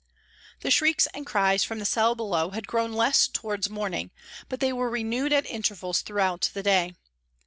The shrieks and cries from the cell below had grown less towards morning, but they were renewed at intervals throughout the day.